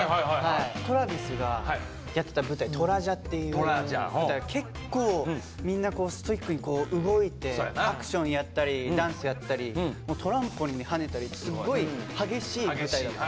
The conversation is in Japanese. Ｔｒａｖｉｓがやってた舞台「虎者」っていう舞台が結構みんなストイックに動いてアクションやったりダンスやったりトランポリンで跳ねたりすっごい激しい舞台だった。